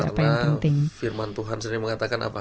karena firman tuhan sendiri mengatakan